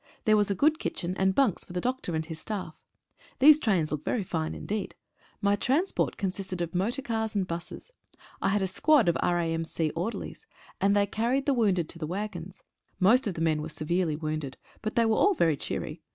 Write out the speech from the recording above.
There was a good kitchen, and bunks for the doctor and his staff. These trains look very fine indeed. My transport con sisted of motor cars and buses. I had a squad of R.A.M.C. orderlies and they carried the wounded to the waggons. Most of the men were severely wounded— but they were all very cheery.